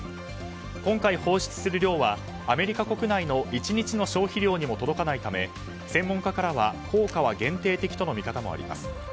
今回放出する量はアメリカ国内の１日の消費量にも届かないため専門家からは効果は限定的との見方もあります。